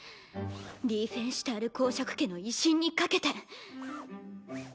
リーフェンシュタール侯爵家の威信に懸けて。